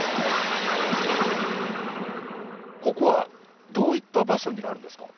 ここはどういった場所になるんですか？